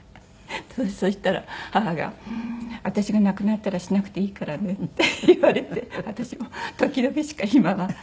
そしたら母が「私が亡くなったらしなくていいからね」って言われて私も時々しか今は。